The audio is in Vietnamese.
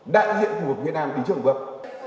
đại diện thủ tục việt nam đi trước ngược